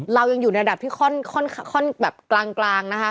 เรายังอยู่ในระดับที่ค่อนข้างแบบกลางนะคะ